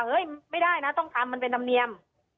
ไม่ได้นะต้องทำมันเป็นธรรมเนียม